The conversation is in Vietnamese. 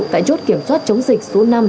tại chốt kiểm soát chống dịch số năm